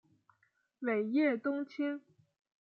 尾叶冬青